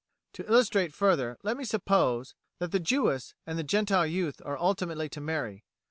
To illustrate further, let me suppose that the Jewess and the Gentile youth are ultimately to marry.